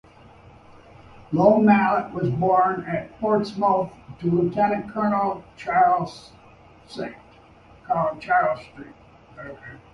Lo Malet was born at Portsmouth to Lieutenant Colonel Charles St.